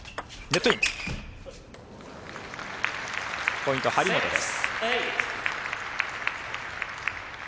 ポイント、張本です。